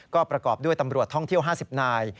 ก็ประกอบด้วยตำรวจท่องเที่ยว๕๐นาย